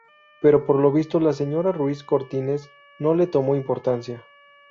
Pero por lo visto, la señora Ruiz Cortines no le tomó importancia.